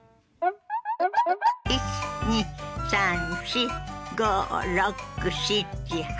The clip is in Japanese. １２３４５６７８。